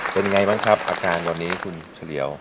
เป็นไงบ้างครับอาการวันนี้คุณเฉลี่ยว